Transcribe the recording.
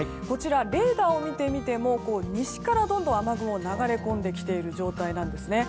レーダーを見てみても西からどんどん雨雲が流れ込んできている状態なんですね。